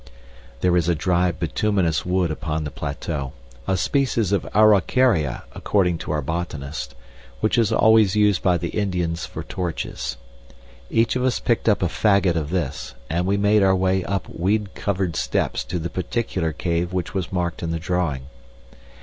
There is a dry bituminous wood upon the plateau a species of araucaria, according to our botanist which is always used by the Indians for torches. Each of us picked up a faggot of this, and we made our way up weed covered steps to the particular cave which was marked in the drawing.